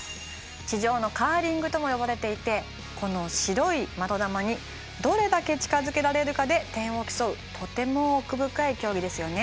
地上のカーリングとも呼ばれていてこの白い的球にどれだけ近づけられるかで点を競うとても奥深い競技ですよね。